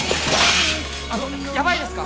あのやばいですか？